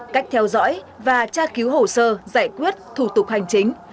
cách theo dõi và tra cứu hồ sơ giải quyết thủ tục hành chính